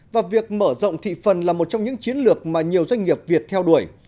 và việc mở rộng thị phần là một trong những chiến lược mà nhiều doanh nghiệp việt theo đuổi